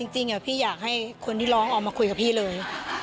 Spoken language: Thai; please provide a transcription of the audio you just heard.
จริงพี่อยากให้คนที่ร้องออกมาคุยกับพี่เลย